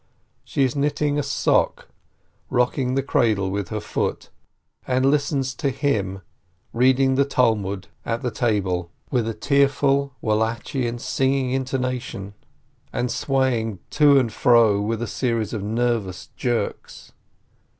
She is knitting a sock, rocking the cradle with her foot, and listens to him reading the Talmud at the table, with a tearful, Wallachian, sing 56 PEREZ ing intonation, and swaying to and fro with a series of nervous jerks.